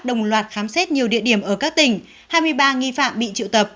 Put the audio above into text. đồng loạt khám xét nhiều địa điểm ở các tỉnh hai mươi ba nghi phạm bị triệu tập